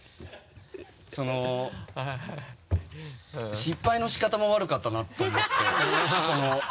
その失敗の仕方も悪かったなと思って。